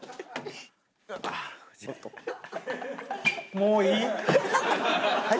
もういい？